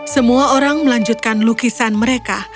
semua orang melanjutkan lukisan mereka